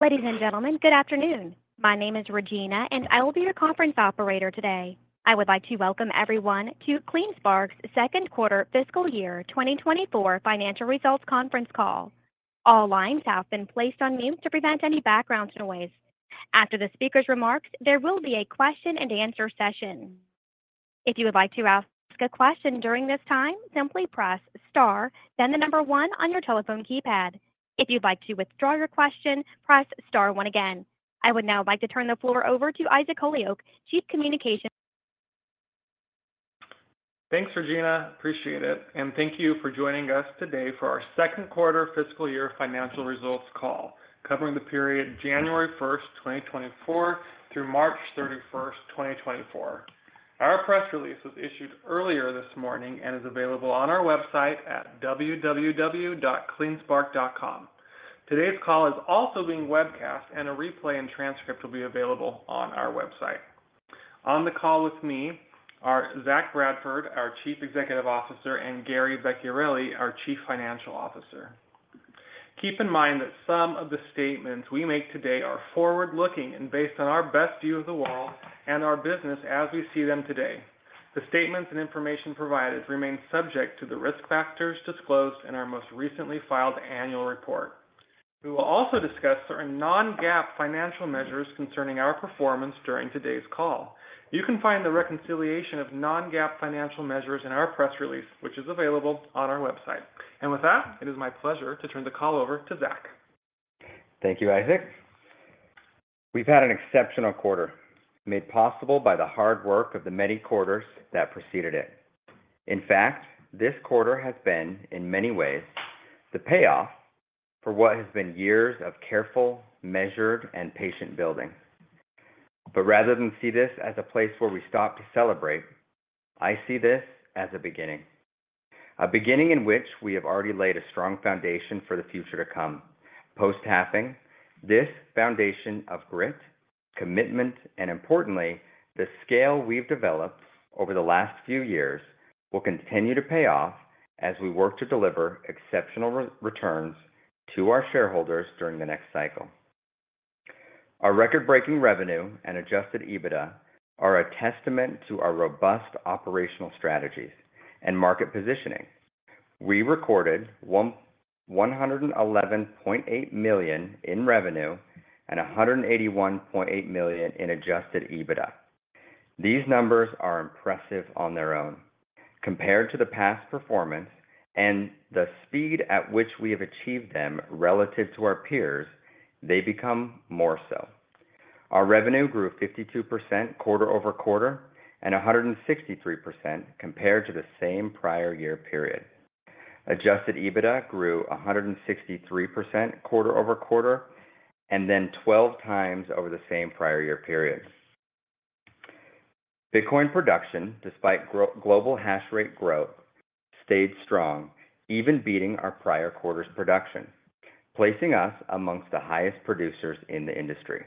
Ladies and gentlemen, good afternoon. My name is Regina, and I will be your conference operator today. I would like to welcome everyone to CleanSpark's second quarter fiscal year 2024 financial results conference call. All lines have been placed on mute to prevent any background noise. After the speaker's remarks, there will be a question and answer session. If you would like to ask a question during this time, simply press Star, then the number one on your telephone keypad. If you'd like to withdraw your question, press Star one again. I would now like to turn the floor over to Isaac Holyoak, Chief Communication. Thanks, Regina. Appreciate it, and thank you for joining us today for our second quarter fiscal year financial results call, covering the period January 1st, 2024, through March 31st, 2024. Our press release was issued earlier this morning and is available on our website at www.cleanspark.com. Today's call is also being webcast, and a replay and transcript will be available on our website. On the call with me are Zach Bradford, our Chief Executive Officer, and Gary Vecchiarelli, our Chief Financial Officer. Keep in mind that some of the statements we make today are forward-looking and based on our best view of the world and our business as we see them today. The statements and information provided remain subject to the risk factors disclosed in our most recently filed annual report. We will also discuss certain non-GAAP financial measures concerning our performance during today's call. You can find the reconciliation of non-GAAP financial measures in our press release, which is available on our website. With that, it is my pleasure to turn the call over to Zach. Thank you, Isaac. We've had an exceptional quarter, made possible by the hard work of the many quarters that preceded it. In fact, this quarter has been, in many ways, the payoff for what has been years of careful, measured, and patient building. But rather than see this as a place where we stop to celebrate, I see this as a beginning. A beginning in which we have already laid a strong foundation for the future to come. Post-halving, this foundation of grit, commitment, and importantly, the scale we've developed over the last few years, will continue to pay off as we work to deliver exceptional returns to our shareholders during the next cycle. Our record-breaking revenue and Adjusted EBITDA are a testament to our robust operational strategies and market positioning. We recorded $111.8 million in revenue and $181.8 million in adjusted EBITDA. These numbers are impressive on their own. Compared to the past performance and the speed at which we have achieved them relative to our peers, they become more so. Our revenue grew 52% quarter-over-quarter and 163% compared to the same prior-year period. Adjusted EBITDA grew 163% quarter-over-quarter, and then 12x over the same prior-year periods. Bitcoin production, despite global hash rate growth, stayed strong, even beating our prior quarter's production, placing us amongst the highest producers in the industry.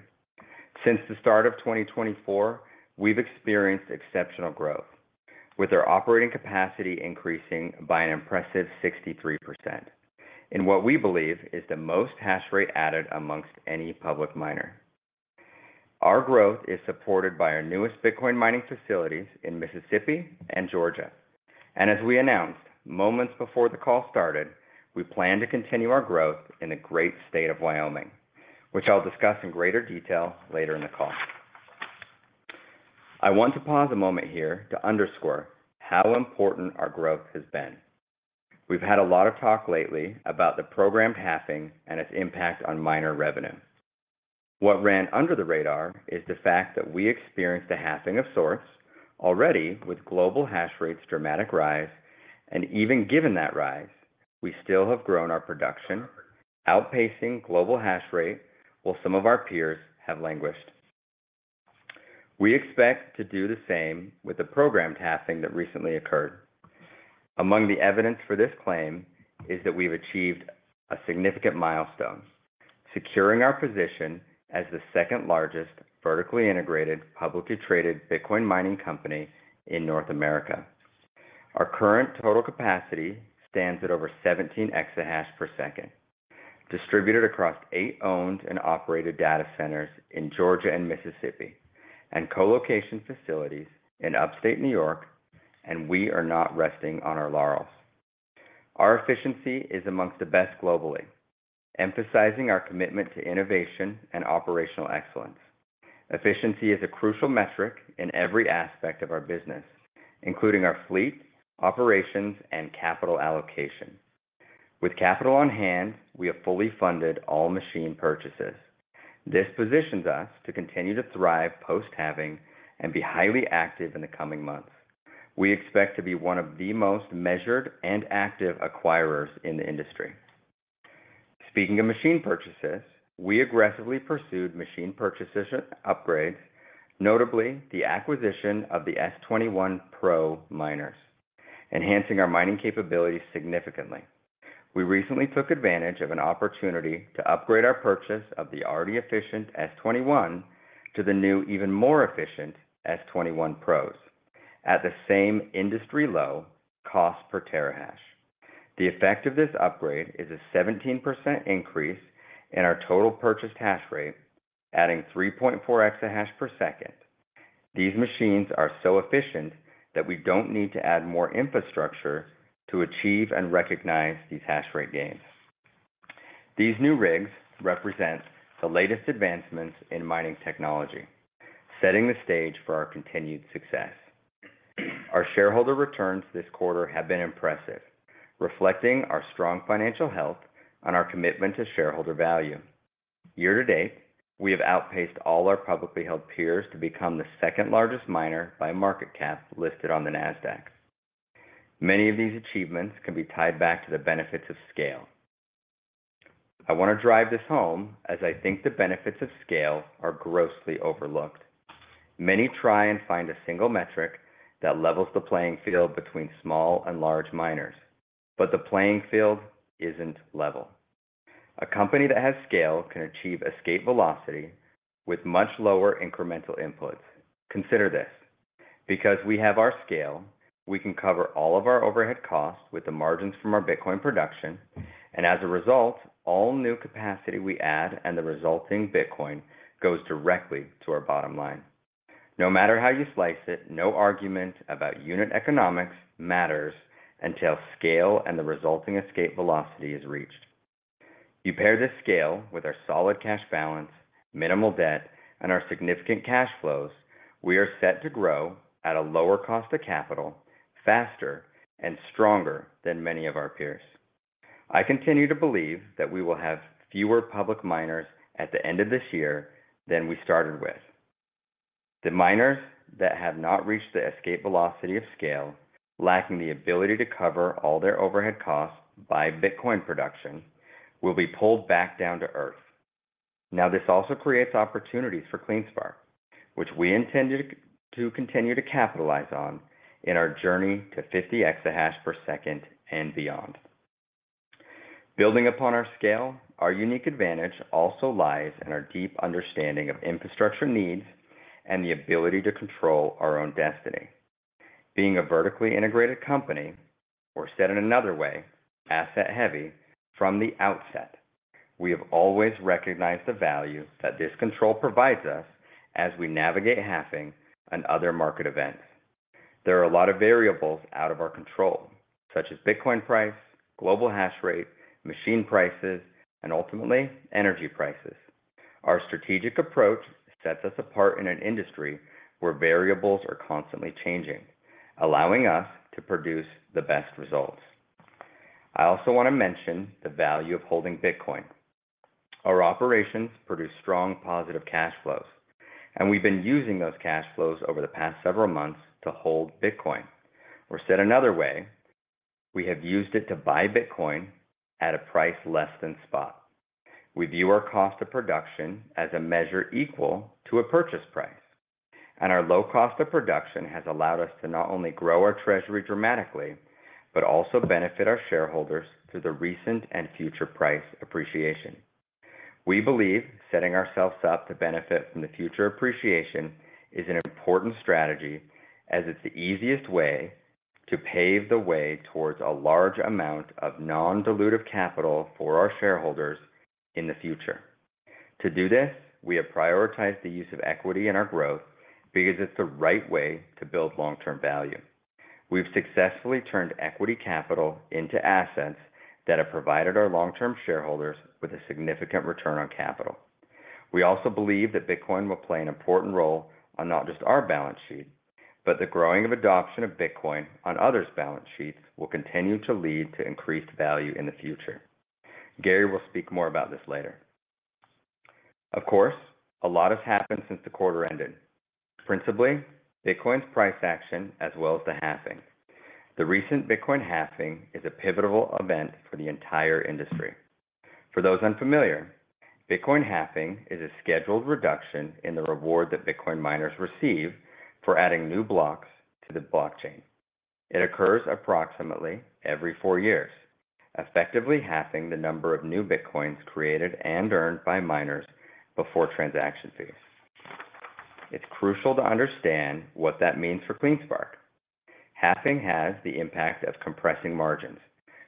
Since the start of 2024, we've experienced exceptional growth, with our operating capacity increasing by an impressive 63%, in what we believe is the most hash rate added amongst any public miner. Our growth is supported by our newest Bitcoin mining facilities in Mississippi and Georgia. As we announced moments before the call started, we plan to continue our growth in the great state of Wyoming, which I'll discuss in greater detail later in the call. I want to pause a moment here to underscore how important our growth has been. We've had a lot of talk lately about the programmed halving and its impact on miner revenue. What ran under the radar is the fact that we experienced a halving of sorts already with global hash rate's dramatic rise, and even given that rise, we still have grown our production, outpacing global hash rate, while some of our peers have languished. We expect to do the same with the programmed halving that recently occurred. Among the evidence for this claim is that we've achieved a significant milestone, securing our position as the second-largest vertically integrated, publicly traded Bitcoin mining company in North America. Our current total capacity stands at over 17 EH/s, distributed across 8 owned and operated data centers in Georgia and Mississippi, and co-location facilities in upstate New York, and we are not resting on our laurels. Our efficiency is among the best globally, emphasizing our commitment to innovation and operational excellence. Efficiency is a crucial metric in every aspect of our business, including our fleet, operations, and capital allocation. With capital on hand, we have fully funded all machine purchases. This positions us to continue to thrive post-halving and be highly active in the coming months. We expect to be one of the most measured and active acquirers in the industry. Speaking of machine purchases, we aggressively pursued machine purchases and upgrades, notably the acquisition of the S21 Pro miners, enhancing our mining capabilities significantly. We recently took advantage of an opportunity to upgrade our purchase of the already efficient S21 to the new, even more efficient S21 Pros at the same industry-low cost per terahash.... The effect of this upgrade is a 17% increase in our total purchased hash rate, adding 3.4 exahash per second. These machines are so efficient that we don't need to add more infrastructure to achieve and recognize these hash rate gains. These new rigs represent the latest advancements in mining technology, setting the stage for our continued success. Our shareholder returns this quarter have been impressive, reflecting our strong financial health and our commitment to shareholder value. Year to date, we have outpaced all our publicly held peers to become the second largest miner by market cap listed on the NASDAQ. Many of these achievements can be tied back to the benefits of scale. I want to drive this home as I think the benefits of scale are grossly overlooked. Many try and find a single metric that levels the playing field between small and large miners, but the playing field isn't level. A company that has scale can achieve escape velocity with much lower incremental inputs. Consider this, because we have our scale, we can cover all of our overhead costs with the margins from our Bitcoin production, and as a result, all new capacity we add and the resulting Bitcoin goes directly to our bottom line. No matter how you slice it, no argument about unit economics matters until scale and the resulting escape velocity is reached. You pair this scale with our solid cash balance, minimal debt, and our significant cash flows. We are set to grow at a lower cost of capital, faster and stronger than many of our peers. I continue to believe that we will have fewer public miners at the end of this year than we started with. The miners that have not reached the escape velocity of scale, lacking the ability to cover all their overhead costs by Bitcoin production, will be pulled back down to earth. Now, this also creates opportunities for CleanSpark, which we intend to, to continue to capitalize on in our journey to 50 exahash per second and beyond. Building upon our scale, our unique advantage also lies in our deep understanding of infrastructure needs and the ability to control our own destiny. Being a vertically integrated company, or said in another way, asset-heavy from the outset, we have always recognized the value that this control provides us as we navigate halving and other market events. There are a lot of variables out of our control, such as Bitcoin price, global hash rate, machine prices, and ultimately, energy prices. Our strategic approach sets us apart in an industry where variables are constantly changing, allowing us to produce the best results. I also want to mention the value of holding Bitcoin. Our operations produce strong positive cash flows, and we've been using those cash flows over the past several months to hold Bitcoin. Or said another way, we have used it to buy Bitcoin at a price less than spot. We view our cost of production as a measure equal to a purchase price, and our low cost of production has allowed us to not only grow our treasury dramatically, but also benefit our shareholders through the recent and future price appreciation. We believe setting ourselves up to benefit from the future appreciation is an important strategy, as it's the easiest way to pave the way towards a large amount of non-dilutive capital for our shareholders in the future. To do this, we have prioritized the use of equity in our growth because it's the right way to build long-term value. We've successfully turned equity capital into assets that have provided our long-term shareholders with a significant return on capital. We also believe that Bitcoin will play an important role on not just our balance sheet, but the growing of adoption of Bitcoin on others' balance sheets will continue to lead to increased value in the future. Gary will speak more about this later. Of course, a lot has happened since the quarter ended. Principally, Bitcoin's price action, as well as the halving. The recent Bitcoin halving is a pivotal event for the entire industry. For those unfamiliar, Bitcoin halving is a scheduled reduction in the reward that Bitcoin miners receive for adding new blocks to the blockchain. It occurs approximately every four years, effectively halving the number of new Bitcoins created and earned by miners before transaction fees. It's crucial to understand what that means for CleanSpark. Halving has the impact of compressing margins,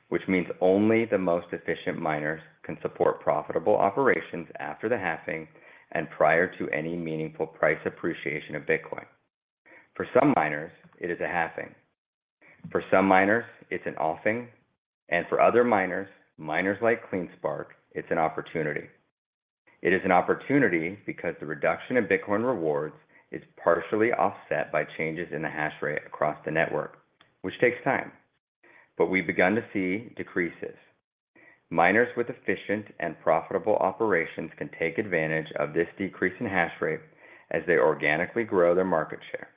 which means only the most efficient miners can support profitable operations after the halving and prior to any meaningful price appreciation of Bitcoin. For some miners, it is a halving. For some miners, it's an offing, and for other miners, miners like CleanSpark, it's an opportunity. It is an opportunity because the reduction in Bitcoin rewards is partially offset by changes in the hash rate across the network, which takes time, but we've begun to see decreases. Miners with efficient and profitable operations can take advantage of this decrease in hash rate as they organically grow their market share.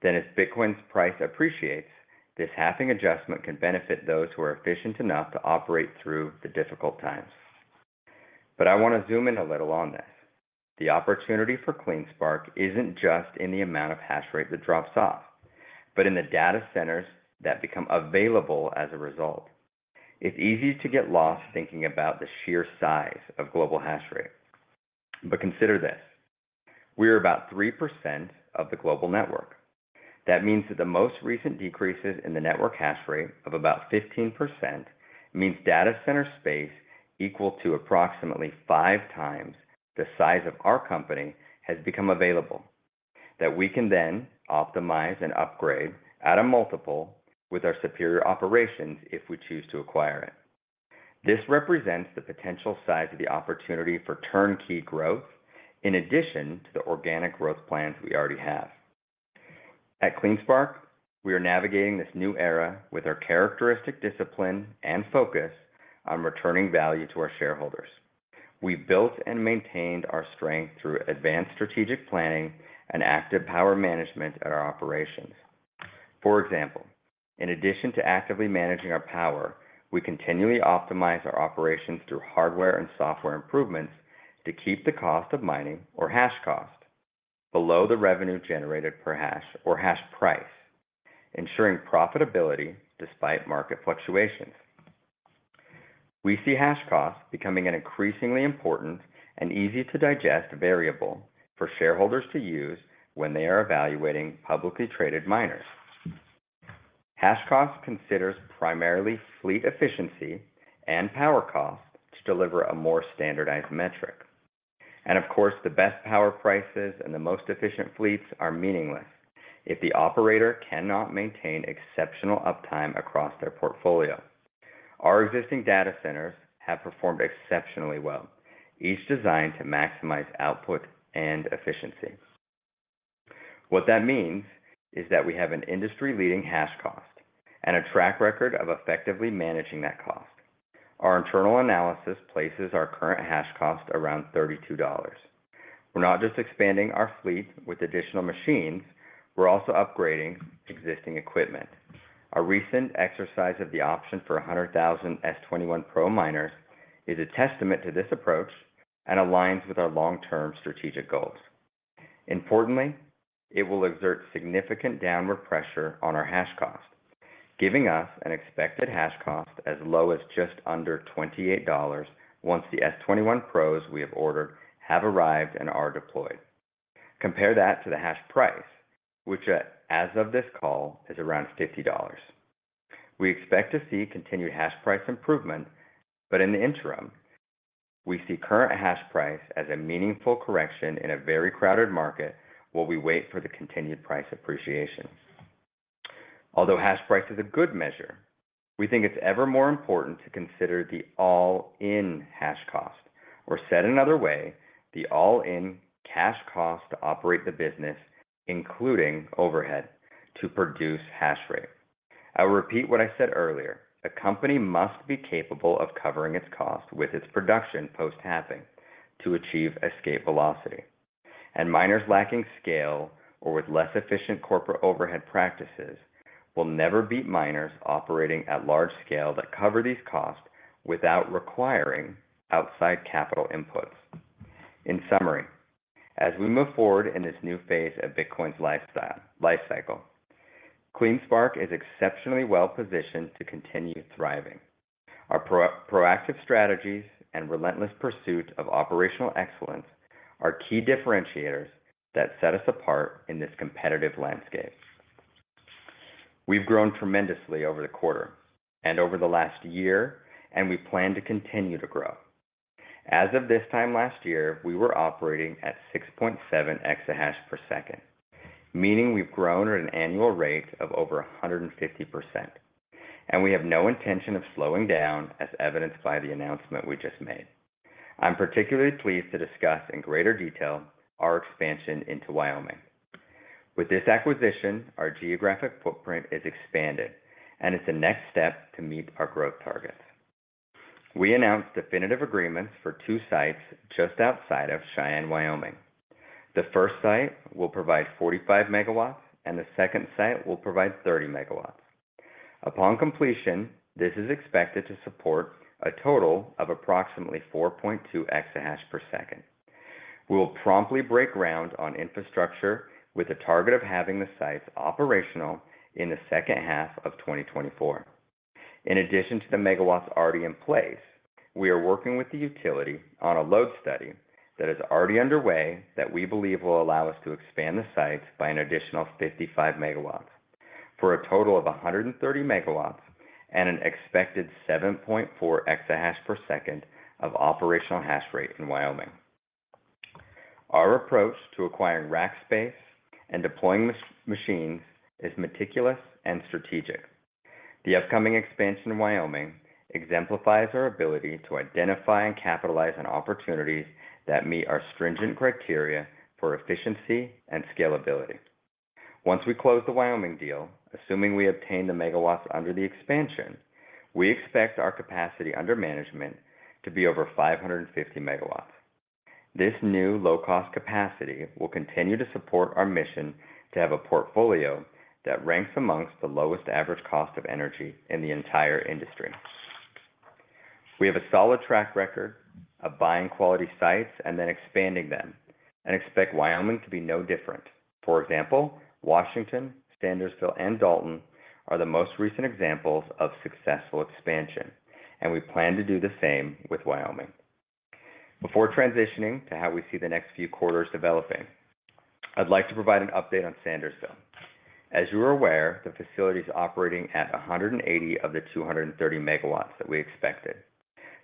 Then, as Bitcoin's price appreciates, this halving adjustment can benefit those who are efficient enough to operate through the difficult times. But I want to zoom in a little on this. The opportunity for CleanSpark isn't just in the amount of hash rate that drops off, but in the data centers that become available as a result. It's easy to get lost thinking about the sheer size of global hash rate. But consider this. We are about 3% of the global network. That means that the most recent decreases in the network hash rate of about 15% means data center space equal to approximately 5x the size of our company has become available, that we can then optimize and upgrade at a multiple with our superior operations if we choose to acquire it. This represents the potential size of the opportunity for turnkey growth, in addition to the organic growth plans we already have. At CleanSpark, we are navigating this new era with our characteristic discipline and focus on returning value to our shareholders. We've built and maintained our strength through advanced strategic planning and active power management at our operations. For example, in addition to actively managing our power, we continually optimize our operations through hardware and software improvements to keep the cost of mining or hash cost below the revenue generated per hash or hash price, ensuring profitability despite market fluctuations. We see hash cost becoming an increasingly important and easy-to-digest variable for shareholders to use when they are evaluating publicly traded miners. Hash cost considers primarily fleet efficiency and power cost to deliver a more standardized metric. Of course, the best power prices and the most efficient fleets are meaningless if the operator cannot maintain exceptional uptime across their portfolio. Our existing data centers have performed exceptionally well, each designed to maximize output and efficiency. What that means is that we have an industry-leading hash cost and a track record of effectively managing that cost. Our internal analysis places our current hash cost around $32. We're not just expanding our fleet with additional machines, we're also upgrading existing equipment. Our recent exercise of the option for 100,000 S21 Pro miners is a testament to this approach and aligns with our long-term strategic goals. Importantly, it will exert significant downward pressure on our hash cost, giving us an expected hash cost as low as just under $28 once the S21 Pros we have ordered have arrived and are deployed. Compare that to the hash price, which as of this call, is around $50. We expect to see continued hash price improvement, but in the interim, we see current hash price as a meaningful correction in a very crowded market while we wait for the continued price appreciation. Although hash price is a good measure, we think it's ever more important to consider the all-in hash cost, or said another way, the all-in cash cost to operate the business, including overhead, to produce hash rate. I'll repeat what I said earlier: a company must be capable of covering its cost with its production post-halving to achieve escape velocity, and miners lacking scale or with less efficient corporate overhead practices will never beat miners operating at large scale that cover these costs without requiring outside capital inputs. In summary, as we move forward in this new phase of Bitcoin's life cycle, CleanSpark is exceptionally well-positioned to continue thriving. Our proactive strategies and relentless pursuit of operational excellence are key differentiators that set us apart in this competitive landscape. We've grown tremendously over the quarter and over the last year, and we plan to continue to grow. As of this time last year, we were operating at 6.7 exahash per second, meaning we've grown at an annual rate of over 150%, and we have no intention of slowing down, as evidenced by the announcement we just made. I'm particularly pleased to discuss in greater detail our expansion into Wyoming. With this acquisition, our geographic footprint is expanded, and it's the next step to meet our growth targets. We announced definitive agreements for two sites just outside of Cheyenne, Wyoming. The first site will provide 45 MW, and the second site will provide 30 MW. Upon completion, this is expected to support a total of approximately 4.2 exahash per second. We will promptly break ground on infrastructure with a target of having the sites operational in the second half of 2024. In addition to the megawatts already in place, we are working with the utility on a load study that is already underway that we believe will allow us to expand the site by an additional 55 MW, for a total of 130 MW and an expected 7.4 exahash per second of operational hash rate in Wyoming. Our approach to acquiring rack space and deploying machines is meticulous and strategic. The upcoming expansion in Wyoming exemplifies our ability to identify and capitalize on opportunities that meet our stringent criteria for efficiency and scalability. Once we close the Wyoming deal, assuming we obtain the megawatts under the expansion, we expect our capacity under management to be over 550 MW. This new low-cost capacity will continue to support our mission to have a portfolio that ranks among the lowest average cost of energy in the entire industry. We have a solid track record of buying quality sites and then expanding them, and expect Wyoming to be no different. For example, Washington, Sandersville, and Dalton are the most recent examples of successful expansion... and we plan to do the same with Wyoming. Before transitioning to how we see the next few quarters developing, I'd like to provide an update on Sandersville. As you are aware, the facility's operating at 180 of the 230 MW that we expected.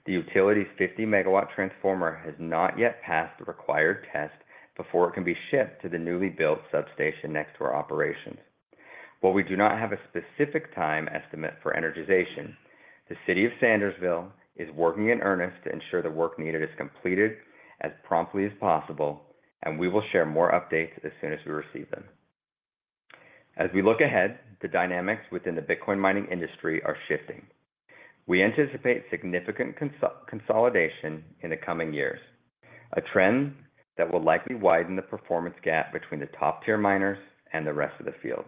The utility's 50-MW transformer has not yet passed the required test before it can be shipped to the newly built substation next to our operations. While we do not have a specific time estimate for energization, the City of Sandersville is working in earnest to ensure the work needed is completed as promptly as possible, and we will share more updates as soon as we receive them. As we look ahead, the dynamics within the Bitcoin mining industry are shifting. We anticipate significant consolidation in the coming years, a trend that will likely widen the performance gap between the top-tier miners and the rest of the field.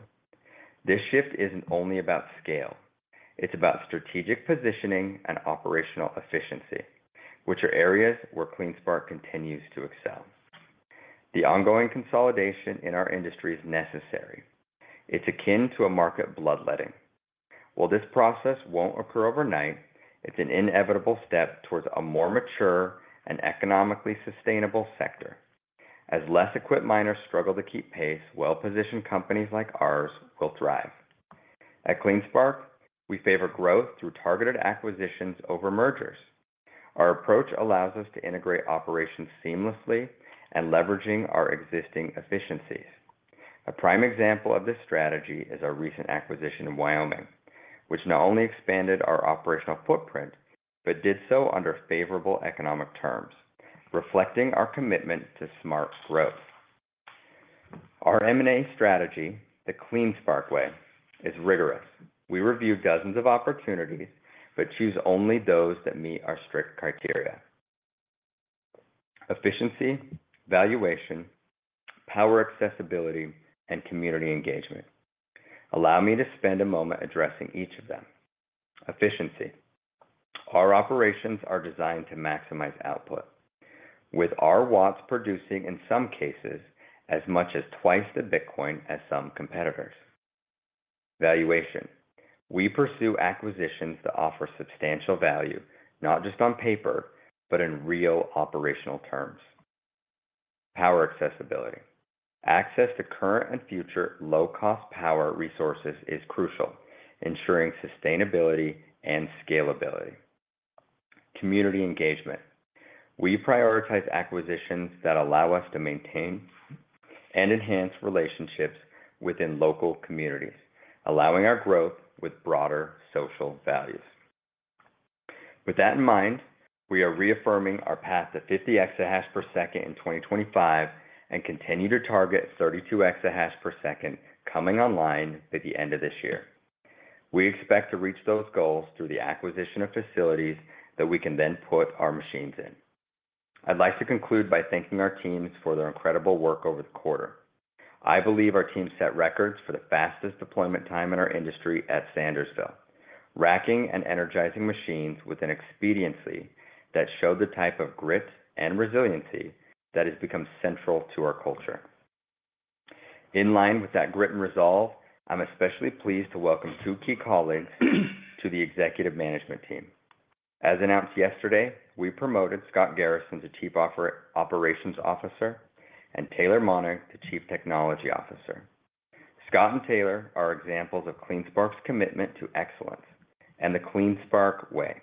This shift isn't only about scale; it's about strategic positioning and operational efficiency, which are areas where CleanSpark continues to excel. The ongoing consolidation in our industry is necessary. It's akin to a market bloodletting. While this process won't occur overnight, it's an inevitable step towards a more mature and economically sustainable sector. As less-equipped miners struggle to keep pace, well-positioned companies like ours will thrive. At CleanSpark, we favor growth through targeted acquisitions over mergers. Our approach allows us to integrate operations seamlessly and leveraging our existing efficiencies. A prime example of this strategy is our recent acquisition in Wyoming, which not only expanded our operational footprint, but did so under favorable economic terms, reflecting our commitment to smart growth. Our M&A strategy, the CleanSpark way, is rigorous. We review dozens of opportunities, but choose only those that meet our strict criteria: efficiency, valuation, power accessibility, and community engagement. Allow me to spend a moment addressing each of them. Efficiency. Our operations are designed to maximize output, with our watts producing, in some cases, as much as twice the Bitcoin as some competitors. Valuation. We pursue acquisitions that offer substantial value, not just on paper, but in real operational terms. Power accessibility. Access to current and future low-cost power resources is crucial, ensuring sustainability and scalability. Community engagement. We prioritize acquisitions that allow us to maintain and enhance relationships within local communities, allowing our growth with broader social values. With that in mind, we are reaffirming our path to 50 exahash per second in 2025 and continue to target 32 exahash per second coming online by the end of this year. We expect to reach those goals through the acquisition of facilities that we can then put our machines in. I'd like to conclude by thanking our teams for their incredible work over the quarter. I believe our team set records for the fastest deployment time in our industry at Sandersville, racking and energizing machines with an expediency that showed the type of grit and resiliency that has become central to our culture. In line with that grit and resolve, I'm especially pleased to welcome two key colleagues to the executive management team. As announced yesterday, we promoted Scott Garrison to Chief Operating Officer and Taylor Monnig to Chief Technology Officer. Scott and Taylor are examples of CleanSpark's commitment to excellence and the CleanSpark way.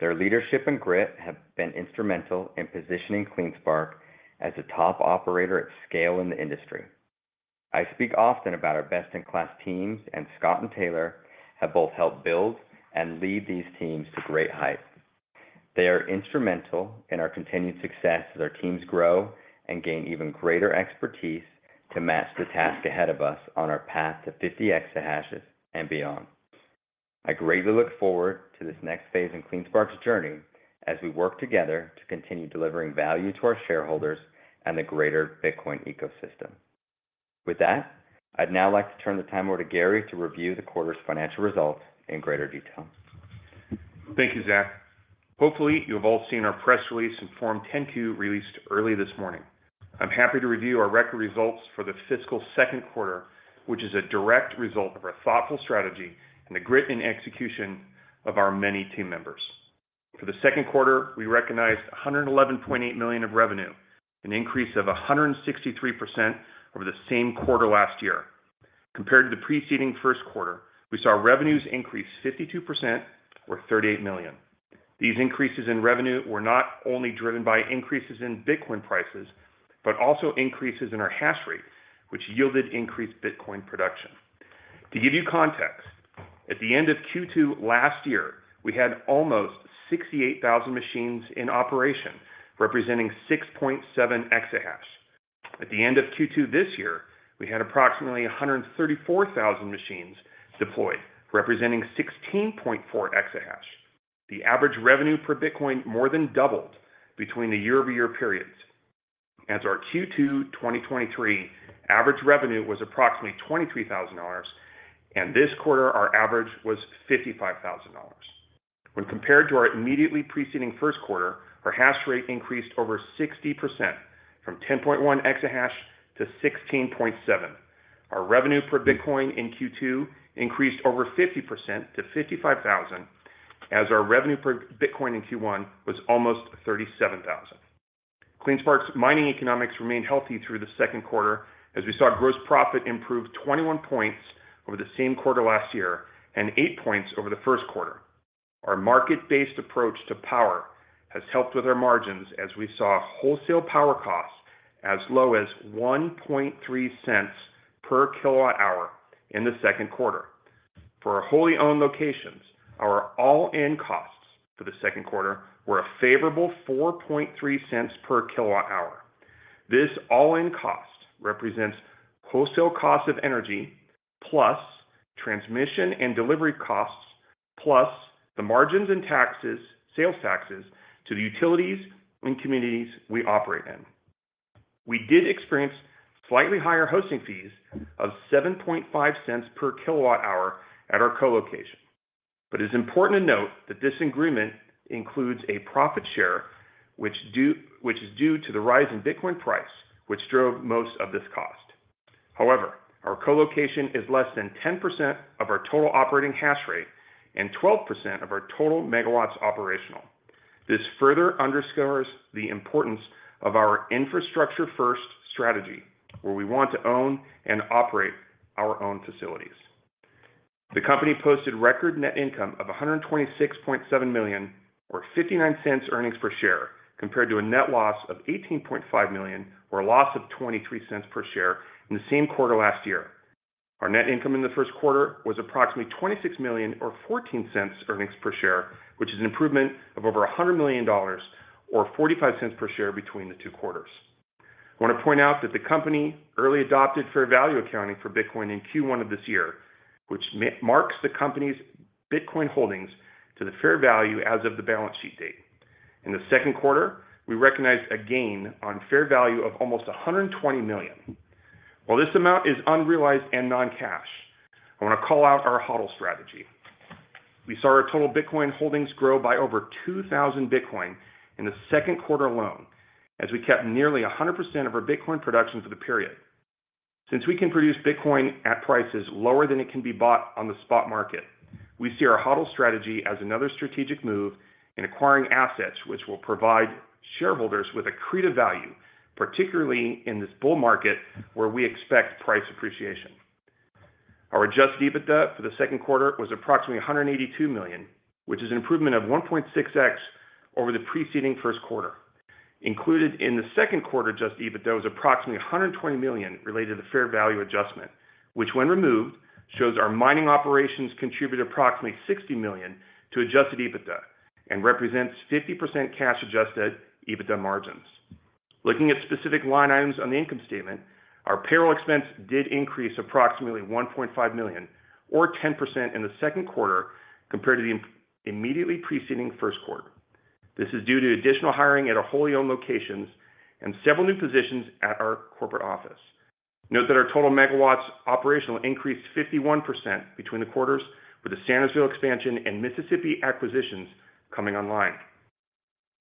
Their leadership and grit have been instrumental in positioning CleanSpark as a top operator at scale in the industry. I speak often about our best-in-class teams, and Scott and Taylor have both helped build and lead these teams to great heights. They are instrumental in our continued success as our teams grow and gain even greater expertise to match the task ahead of us on our path to 50 exahashes and beyond. I greatly look forward to this next phase in CleanSpark's journey as we work together to continue delivering value to our shareholders and the greater Bitcoin ecosystem. With that, I'd now like to turn the timer to Gary to review the quarter's financial results in greater detail. Thank you, Zach. Hopefully, you have all seen our press release and Form 10-Q released early this morning. I'm happy to review our record results for the fiscal second quarter, which is a direct result of our thoughtful strategy and the grit and execution of our many team members. For the second quarter, we recognized $111.8 million of revenue, an increase of 163% over the same quarter last year. Compared to the preceding first quarter, we saw revenues increase 52%, or $38 million. These increases in revenue were not only driven by increases in Bitcoin prices, but also increases in our hash rate, which yielded increased Bitcoin production. To give you context, at the end of Q2 last year, we had almost 68,000 machines in operation, representing 6.7 EH/s. At the end of Q2 this year, we had approximately 134,000 machines deployed, representing 16.4 exahash. The average revenue per Bitcoin more than doubled between the year-over-year periods. As our Q2 2023 average revenue was approximately $23,000, and this quarter our average was $55,000. When compared to our immediately preceding first quarter, our hash rate increased over 60%, from 10.1 exahash to 16.7.... Our revenue per Bitcoin in Q2 increased over 50% to $55,000, as our revenue per Bitcoin in Q1 was almost $37,000. CleanSpark's mining economics remained healthy through the second quarter, as we saw gross profit improve 21 points over the same quarter last year and 8 points over the first quarter. Our market-based approach to power has helped with our margins as we saw wholesale power costs as low as $0.013 per kWh in the second quarter. For our wholly-owned locations, our all-in costs for the second quarter were a favorable $0.043 per kWh. This all-in cost represents wholesale cost of energy, plus transmission and delivery costs, plus the margins and taxes, sales taxes to the utilities and communities we operate in. We did experience slightly higher hosting fees of $0.075 per kWh at our co-location. But it's important to note that this agreement includes a profit share, which is due to the rise in Bitcoin price, which drove most of this cost. However, our co-location is less than 10% of our total operating hash rate and 12% of our total megawatts operational. This further underscores the importance of our infrastructure-first strategy, where we want to own and operate our own facilities. The company posted record net income of $126.7 million, or $0.59 earnings per share, compared to a net loss of $18.5 million, or a loss of $0.23 per share in the same quarter last year. Our net income in the first quarter was approximately $26 million or $0.14 earnings per share, which is an improvement of over $100 million or $0.45 per share between the two quarters. I want to point out that the company early adopted fair value accounting for Bitcoin in Q1 of this year, which marks the company's Bitcoin holdings to the fair value as of the balance sheet date. In the second quarter, we recognized a gain on fair value of almost $120 million. While this amount is unrealized and non-cash, I want to call out our HODL strategy. We saw our total Bitcoin holdings grow by over 2,000 Bitcoin in the second quarter alone, as we kept nearly 100% of our Bitcoin production for the period. Since we can produce Bitcoin at prices lower than it can be bought on the spot market, we see our HODL strategy as another strategic move in acquiring assets, which will provide shareholders with accretive value, particularly in this bull market where we expect price appreciation. Our adjusted EBITDA for the second quarter was approximately $182 million, which is an improvement of 1.6x over the preceding first quarter. Included in the second quarter, adjusted EBITDA was approximately $120 million related to the fair value adjustment, which, when removed, shows our mining operations contributed approximately $60 million to adjusted EBITDA and represents 50% cash-adjusted EBITDA margins. Looking at specific line items on the income statement, our payroll expense did increase approximately $1.5 million, or 10% in the second quarter compared to the immediately preceding first quarter. This is due to additional hiring at our wholly-owned locations and several new positions at our corporate office. Note that our total megawatts operational increased 51% between the quarters with the Sandersville expansion and Mississippi acquisitions coming online.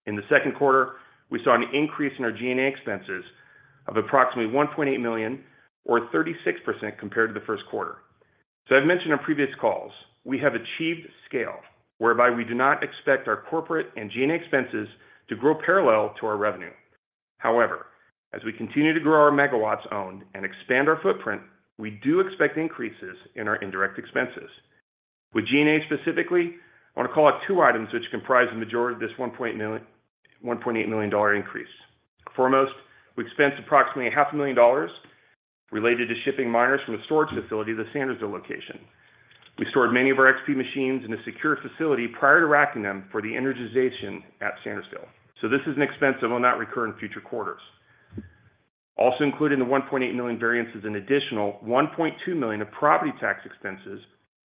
In the second quarter, we saw an increase in our G&A expenses of approximately $1.8 million, or 36% compared to the first quarter. So as I've mentioned on previous calls, we have achieved scale whereby we do not expect our corporate and G&A expenses to grow parallel to our revenue. However, as we continue to grow our megawatts owned and expand our footprint, we do expect increases in our indirect expenses. With G&A specifically, I want to call out two items which comprise the majority of this $1.8 million increase. Foremost, we expensed approximately $500,000 related to shipping miners from the storage facility to the Sandersville location. We stored many of our XP machines in a secure facility prior to racking them for the energization at Sandersville. So this is an expense that will not recur in future quarters. Also included in the $1.8 million variance is an additional $1.2 million of property tax expenses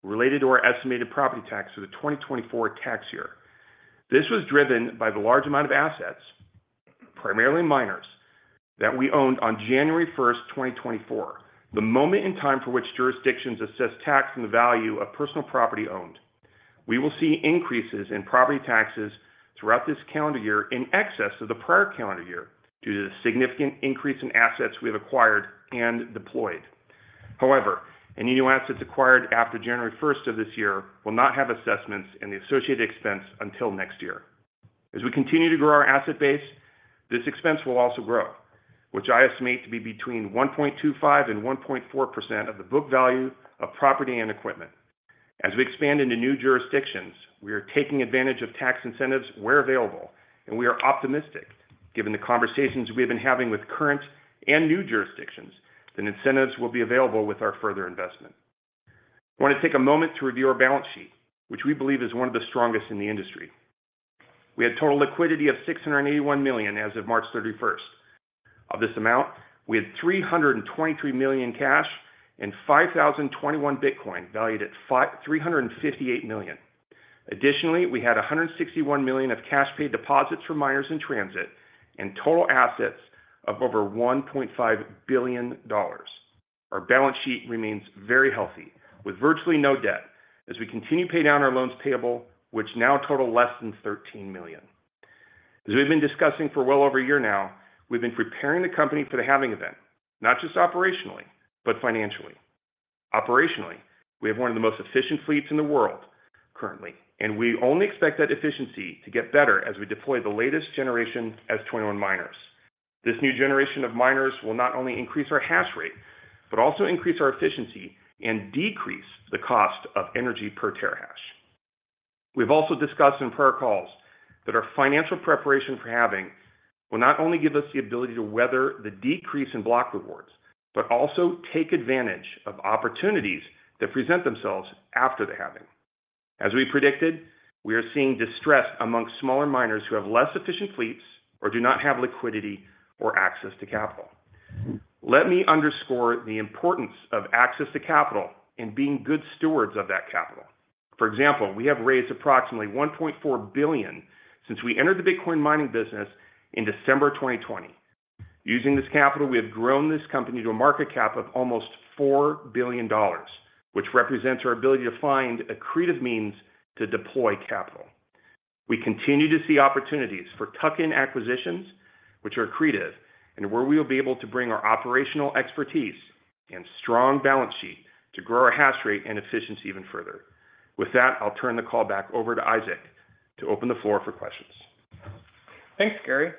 related to our estimated property tax for the 2024 tax year. This was driven by the large amount of assets, primarily miners, that we owned on January 1st, 2024, the moment in time for which jurisdictions assess tax on the value of personal property owned. We will see increases in property taxes throughout this calendar year in excess of the prior calendar year due to the significant increase in assets we have acquired and deployed. However, any new assets acquired after January 1st of this year will not have assessments and the associated expense until next year. As we continue to grow our asset base, this expense will also grow, which I estimate to be between 1.25% and 1.4% of the book value of property and equipment. As we expand into new jurisdictions, we are taking advantage of tax incentives where available, and we are optimistic, given the conversations we have been having with current and new jurisdictions, that incentives will be available with our further investment. I want to take a moment to review our balance sheet, which we believe is one of the strongest in the industry. We had total liquidity of $681 million as of March 31. Of this amount, we had $323 million cash and 5,021 Bitcoin, valued at $358 million. Additionally, we had $161 million of cash-paid deposits for miners in transit and total assets of over $1.5 billion. Our balance sheet remains very healthy, with virtually no debt, as we continue to pay down our loans payable, which now total less than $13 million. As we've been discussing for well over a year now, we've been preparing the company for the halving event, not just operationally, but financially. Operationally, we have one of the most efficient fleets in the world currently, and we only expect that efficiency to get better as we deploy the latest generation S21 miners. This new generation of miners will not only increase our hash rate, but also increase our efficiency and decrease the cost of energy per terahash. We've also discussed in prior calls that our financial preparation for halving will not only give us the ability to weather the decrease in block rewards, but also take advantage of opportunities that present themselves after the halving. As we predicted, we are seeing distress among smaller miners who have less efficient fleets or do not have liquidity or access to capital. Let me underscore the importance of access to capital and being good stewards of that capital. For example, we have raised approximately $1.4 billion since we entered the Bitcoin mining business in December 2020. Using this capital, we have grown this company to a market cap of almost $4 billion, which represents our ability to find accretive means to deploy capital. We continue to see opportunities for tuck-in acquisitions, which are accretive, and where we will be able to bring our operational expertise and strong balance sheet to grow our hash rate and efficiency even further. With that, I'll turn the call back over to Isaac to open the floor for questions. Thanks, Gary.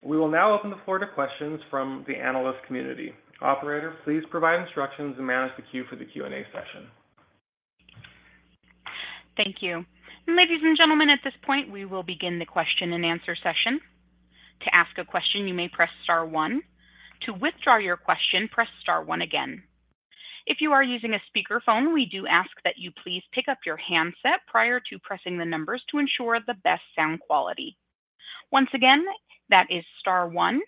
We will now open the floor to questions from the analyst community. Operator, please provide instructions and manage the queue for the Q&A session. Thank you. Ladies and gentlemen, at this point, we will begin the question-and-answer session. To ask a question, you may press star one. To withdraw your question, press star one again. If you are using a speakerphone, we do ask that you please pick up your handset prior to pressing the numbers to ensure the best sound quality. Once again, that is star one.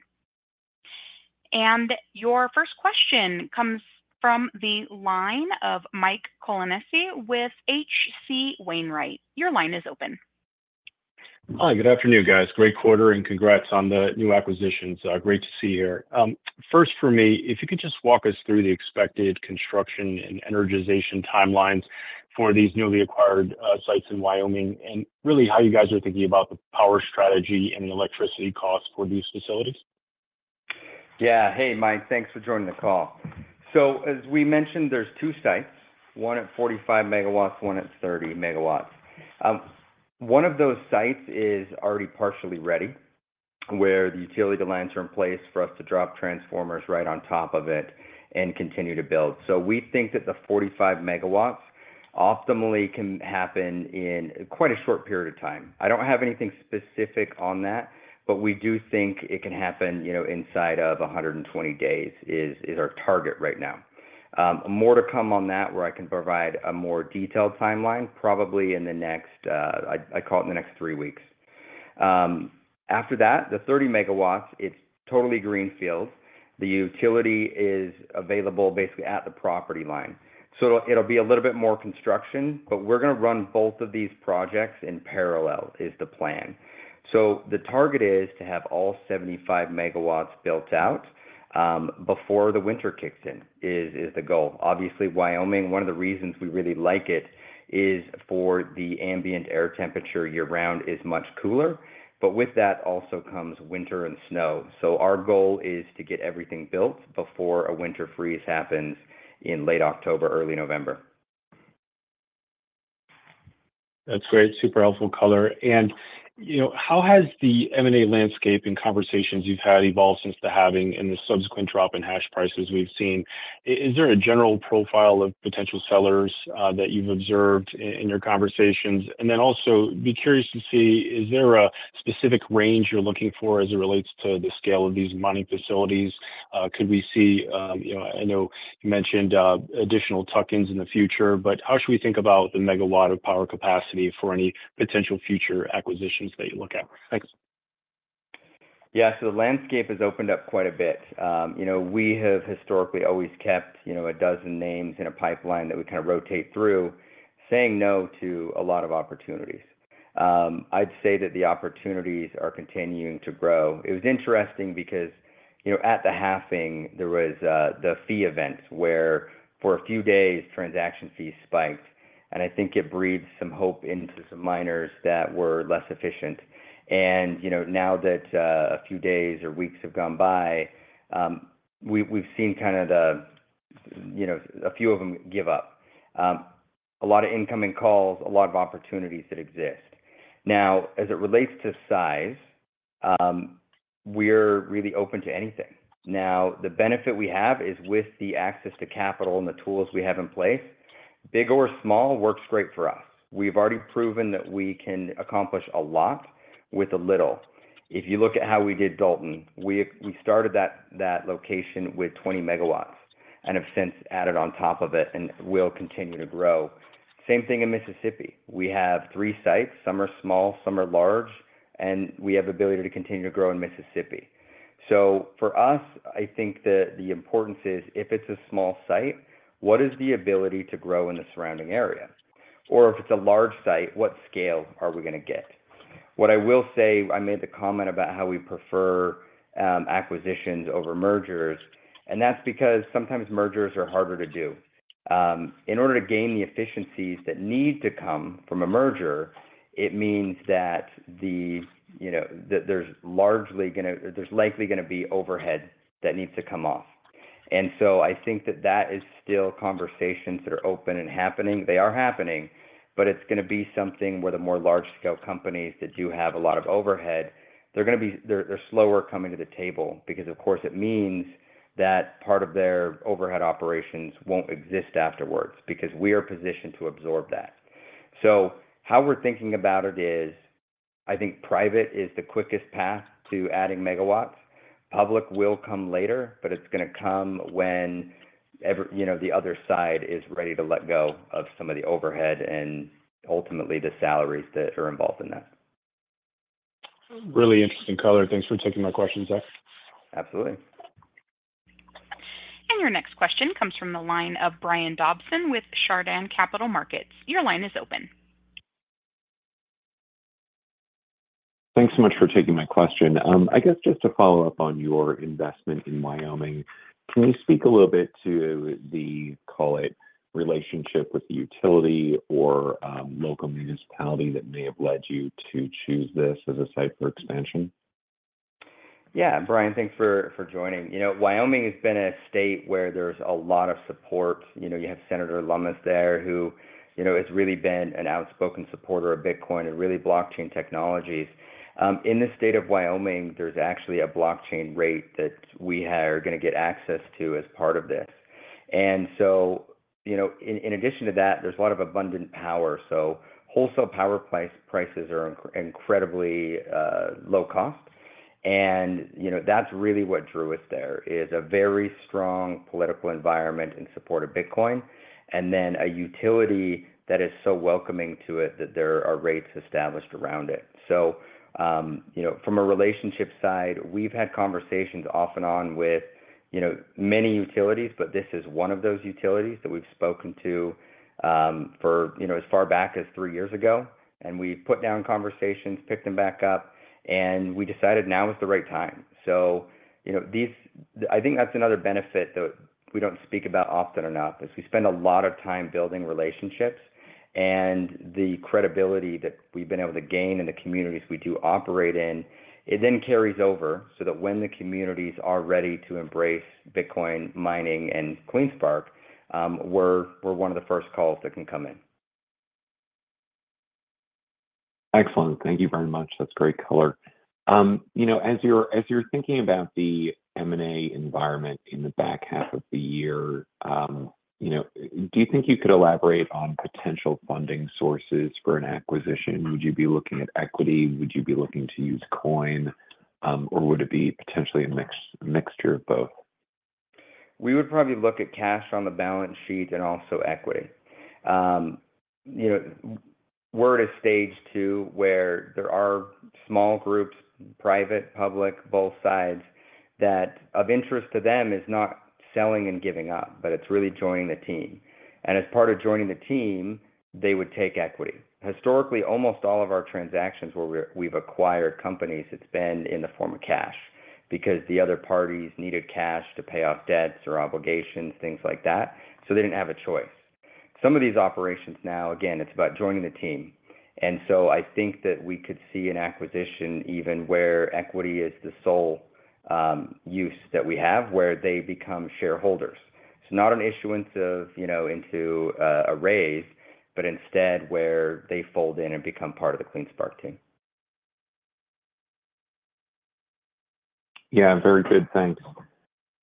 And your first question comes from the line of Mike Colonnese with H.C. Wainwright. Your line is open. Hi, good afternoon, guys. Great quarter, and congrats on the new acquisitions. Great to see you here. First for me, if you could just walk us through the expected construction and energization timelines for these newly acquired sites in Wyoming, and really, how you guys are thinking about the power strategy and the electricity costs for these facilities? Yeah. Hey, Mike, thanks for joining the call. So as we mentioned, there's 2 sites, one at 45 MW, one at 30 MW. One of those sites is already partially ready, where the utility lines are in place for us to drop transformers right on top of it and continue to build. So we think that the 45 MW optimally can happen in quite a short period of time. I don't have anything specific on that, but we do think it can happen, you know, inside of 120 days is, is our target right now. More to come on that where I can provide a more detailed timeline, probably in the next, I, I call it in the next three weeks. After that, the 30 MW, it's totally greenfield. The utility is available basically at the property line. So it'll be a little bit more construction, but we're gonna run both of these projects in parallel, is the plan. The target is to have all 75 MW built out before the winter kicks in, is the goal. Obviously, Wyoming, one of the reasons we really like it is for the ambient air temperature year-round is much cooler, but with that also comes winter and snow. Our goal is to get everything built before a winter freeze happens in late October, early November. That's great. Super helpful color. And, you know, how has the M&A landscape and conversations you've had evolved since the halving and the subsequent drop in hash prices we've seen? Is there a general profile of potential sellers that you've observed in your conversations? And then also, be curious to see, is there a specific range you're looking for as it relates to the scale of these mining facilities? Could we see you know, I know you mentioned additional tuck-ins in the future, but how should we think about the megawatt of power capacity for any potential future acquisitions that you look at? Thanks. Yeah. So the landscape has opened up quite a bit. You know, we have historically always kept, you know, 12 names in a pipeline that we kinda rotate through, saying no to a lot of opportunities. I'd say that the opportunities are continuing to grow. It was interesting because, you know, at the halving, there was the fee event where for a few days, transaction fees spiked, and I think it breathed some hope into some miners that were less efficient. And, you know, now that a few days or weeks have gone by, we've seen kind of the, you know, a few of them give up. A lot of incoming calls, a lot of opportunities that exist. Now, as it relates to size, we're really open to anything. Now, the benefit we have is with the access to capital and the tools we have in place, big or small works great for us. We've already proven that we can accomplish a lot with a little. If you look at how we did Dalton, we started that location with 20 MW and have since added on top of it, and we'll continue to grow. Same thing in Mississippi. We have three sites, some are small, some are large, and we have the ability to continue to grow in Mississippi. So for us, I think the importance is, if it's a small site, what is the ability to grow in the surrounding area? Or if it's a large site, what scale are we gonna get? What I will say, I made the comment about how we prefer acquisitions over mergers, and that's because sometimes mergers are harder to do. In order to gain the efficiencies that need to come from a merger, it means that the, you know, that there's likely gonna be overhead that needs to come off. And so I think that that is still conversations that are open and happening. They are happening, but it's gonna be something where the more large-scale companies that do have a lot of overhead, they're slower coming to the table because, of course, it means that part of their overhead operations won't exist afterwards, because we are positioned to absorb that. So how we're thinking about it is, I think private is the quickest path to adding megawatts. Public will come later, but it's gonna come when every, you know, the other side is ready to let go of some of the overhead and ultimately the salaries that are involved in that. Really interesting color. Thanks for taking my question, Zach. Absolutely. Your next question comes from the line of Brian Dobson with Chardan Capital Markets. Your line is open. Thanks so much for taking my question. I guess just to follow up on your investment in Wyoming, can you speak a little bit to the, call it, relationship with the utility or, local municipality that may have led you to choose this as a site for expansion? Yeah, Brian, thanks for joining. You know, Wyoming has been a state where there's a lot of support. You know, you have Senator Lummis there who, you know, has really been an outspoken supporter of Bitcoin and really blockchain technologies. In the state of Wyoming, there's actually a blockchain rate that we are gonna get access to as part of this. And so, you know, in addition to that, there's a lot of abundant power. So wholesale power prices are incredibly low cost. And, you know, that's really what drew us there, is a very strong political environment in support of Bitcoin, and then a utility that is so welcoming to it that there are rates established around it. So, you know, from a relationship side, we've had conversations off and on with, you know, many utilities, but this is one of those utilities that we've spoken to, for, you know, as far back as three years ago. And we've put down conversations, picked them back up, and we decided now is the right time. So, you know, these... I think that's another benefit that we don't speak about often enough, is we spend a lot of time building relationships, and the credibility that we've been able to gain in the communities we do operate in, it then carries over so that when the communities are ready to embrace Bitcoin mining and CleanSpark, we're, we're one of the first calls that can come in. Excellent. Thank you very much. That's great color. You know, as you're thinking about the M&A environment in the back half of the year, you know, do you think you could elaborate on potential funding sources for an acquisition? Would you be looking at equity? Would you be looking to use coin, or would it be potentially a mix, a mixture of both? We would probably look at cash on the balance sheet and also equity. You know, we're at a stage, too, where there are small groups, private, public, both sides, that of interest to them is not selling and giving up, but it's really joining the team. And as part of joining the team, they would take equity. Historically, almost all of our transactions where we've acquired companies, it's been in the form of cash because the other parties needed cash to pay off debts or obligations, things like that, so they didn't have a choice. Some of these operations now, again, it's about joining the team. And so I think that we could see an acquisition even where equity is the sole use that we have, where they become shareholders. It's not an issuance of, you know, into, a raise, but instead where they fold in and become part of the CleanSpark team. Yeah, very good. Thanks.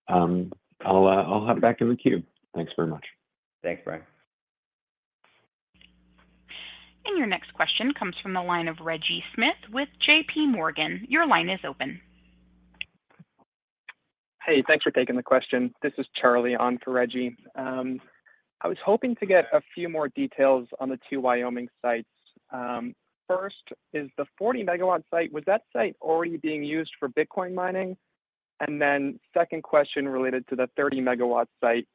I'll hop back in the queue. Thanks very much. Thanks, Brian. Your next question comes from the line of Reggie Smith with JPMorgan. Your line is open. Hey, thanks for taking the question. This is Charlie on for Reggie. I was hoping to get a few more details on the two Wyoming sites. First, is the 40-MW site? Was that site already being used for Bitcoin mining? And then second question related to the 30-MW site,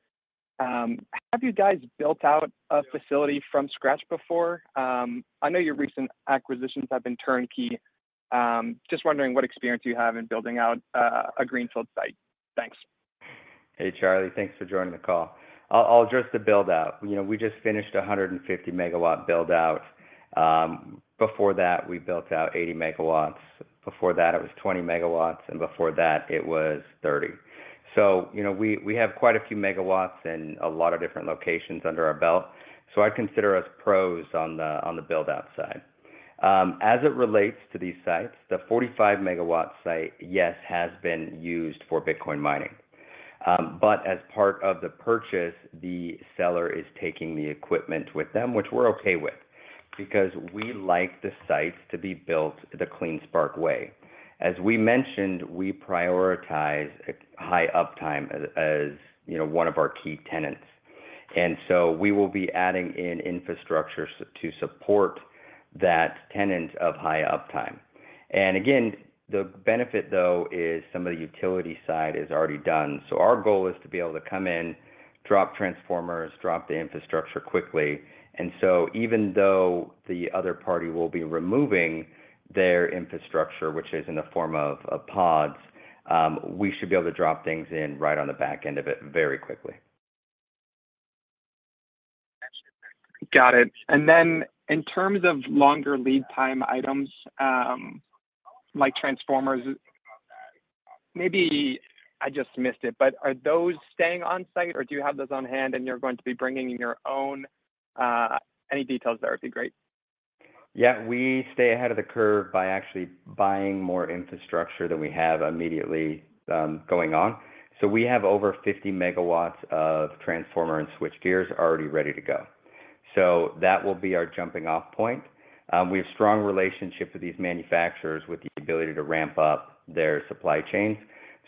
have you guys built out a facility from scratch before? I know your recent acquisitions have been turnkey. Just wondering what experience you have in building out a greenfield site. Thanks. Hey, Charlie. Thanks for joining the call. I'll address the build-out. You know, we just finished a 150-MW build-out. Before that, we built out 80 MW. Before that, it was 20 MW, and before that, it was 30 MW. So, you know, we have quite a few MW in a lot of different locations under our belt, so I'd consider us pros on the build-out side. As it relates to these sites, the 45-MW site, yes, has been used for Bitcoin mining. But as part of the purchase, the seller is taking the equipment with them, which we're okay with because we like the sites to be built the CleanSpark way. As we mentioned, we prioritize a high uptime, as you know, one of our key tenets, and so we will be adding in infrastructure to support that tenet of high uptime. And again, the benefit, though, is some of the utility side is already done. So our goal is to be able to come in, drop transformers, drop the infrastructure quickly. And so even though the other party will be removing their infrastructure, which is in the form of pods, we should be able to drop things in right on the back end of it very quickly. Got it. And then in terms of longer lead time items, like transformers, maybe I just missed it, but are those staying on site, or do you have those on hand and you're going to be bringing in your own? Any details there would be great. Yeah, we stay ahead of the curve by actually buying more infrastructure than we have immediately going on. So we have over 50 MW of transformer and switch gears already ready to go. So that will be our jumping-off point. We have strong relationships with these manufacturers with the ability to ramp up their supply chains.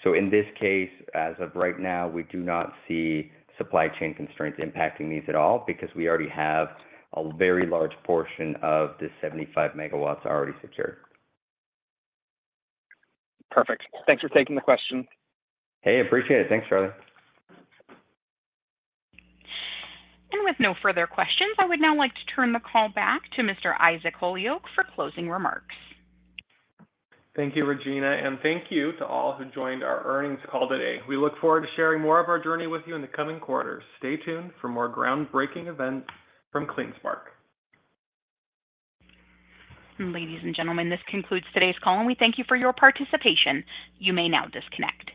So in this case, as of right now, we do not see supply chain constraints impacting these at all because we already have a very large portion of the 75 MW already secured. Perfect. Thanks for taking the question. Hey, appreciate it. Thanks, Charlie. With no further questions, I would now like to turn the call back to Mr. Isaac Holyoak for closing remarks. Thank you, Regina, and thank you to all who joined our earnings call today. We look forward to sharing more of our journey with you in the coming quarters. Stay tuned for more groundbreaking events from CleanSpark. Ladies and gentlemen, this concludes today's call, and we thank you for your participation. You may now disconnect.